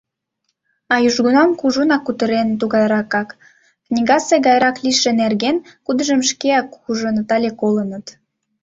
А южгунам кужунак кутыреныт тугайракак, книгасе гайрак лийше нерген, кудыжым шкеак ужыныт але колыныт.